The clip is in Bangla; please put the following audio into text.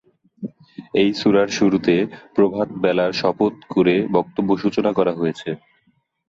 এই সূরার শুরুতে প্রভাত বেলার শপথ করে বক্তব্য সূচনা করা হয়েছে।